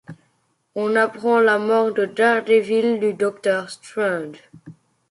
On apprend la mort de Daredevil, du Docteur Strange.